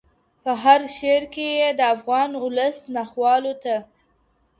په هر شعر کي یې د افغان اولس ناخوالو ته